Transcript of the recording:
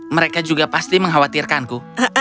mereka juga pasti mengkhawatirkanku